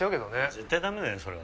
絶対ダメだよそれは。